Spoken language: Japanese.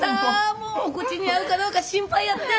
もうお口に合うかどうか心配やってん。